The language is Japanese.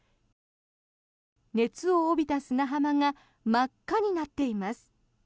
熱を帯びた砂浜が真っ赤になっています。